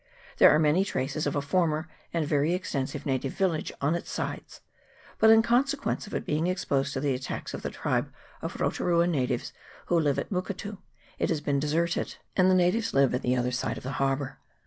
There are many traces of a former and very extensive native village on its sides ; but in consequence of its being exposed to the attacks of a tribe of Rotu rua natives, who live at Muketu, it has been deserted, and the natives 2 D 2 404 TAURANGA. [PART II. live at the other side of the harhour.